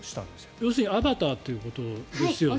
要するにアバターということですよね。